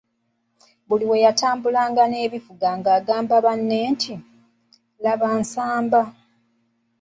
Buli lwe yatambulanga n'ebivuga ng’agamba banne nti, laba Nsamba.